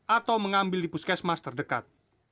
atau mengambil lipus kesmas terdekat